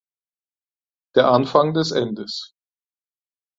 Der Anfang des Endes.